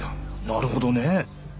なるほどねぇ。